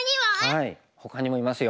はいほかにもいますよ。